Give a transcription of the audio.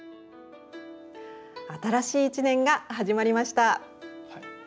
新しい１年が始まりました。